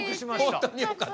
本当によかった！